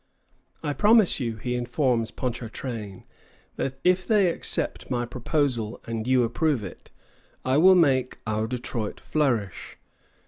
"I promise you," he informs Ponchartrain, "that if they accept my proposal and you approve it, I will make our Detroit flourish.